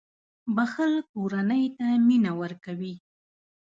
• بښل کورنۍ ته مینه ورکوي.